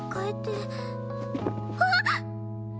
あっ！